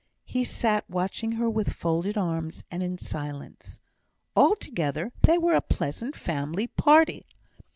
He sat watching her with folded arms, and in silence. Altogether they were a pleasant family party!